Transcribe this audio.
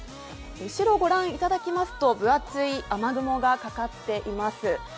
後ろをご覧いただきますと分厚い雨雲がかかっています。